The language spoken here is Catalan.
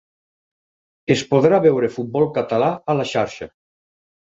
Es podrà veure futbol català a la Xarxa